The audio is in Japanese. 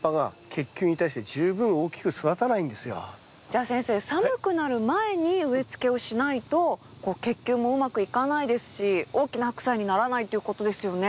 じゃあ先生寒くなる前に植え付けをしないとこう結球もうまくいかないですし大きなハクサイにならないということですよね。